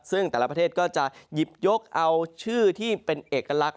ซึ่งแต่ละประเทศก็จะหยิบยกเอาชื่อที่เป็นเอกลักษณ์